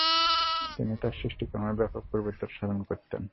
তিনি তার সৃষ্টিকর্মে ব্যাপক পরিবর্তন সাধন করতেন।